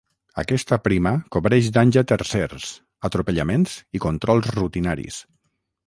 Aquesta prima cobreix danys a tercers, atropellaments i controls rutinaris.